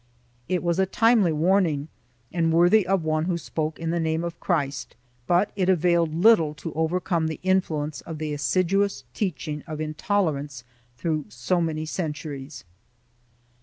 It was a timely warning and worthy of one who spoke in the name of Christ, but it availed little to overcome the influence of the assiduous teaching of intolerance through so many centuries.